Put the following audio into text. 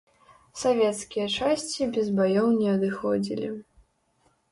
Савецкія часці без баёў не адыходзілі.